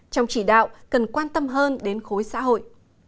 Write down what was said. trong chỉ đạo cần quan tâm hơn đến khối xã hội